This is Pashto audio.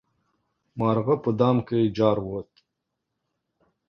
مرغه په دام کې جارووت.